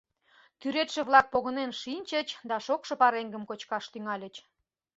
Тӱредше-влак погынен шинчыч да шокшо пареҥгым кочкаш тӱҥальыч.